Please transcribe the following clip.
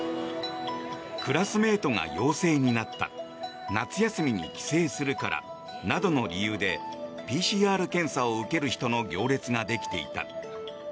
クラスメートが陽性になった夏休みに帰省するからなどの理由でＰＣＲ検査を受ける人の行列ができていた。